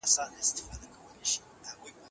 بلاک کوم